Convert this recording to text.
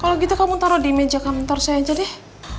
kalau gitu kamu taruh di meja kantor saya aja deh